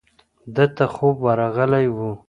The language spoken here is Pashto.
ده ته خوب ورغلی و.